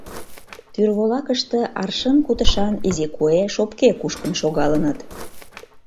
Тӱрволакыште аршын кутышан изи куэ, шопке кушкын шогалыныт.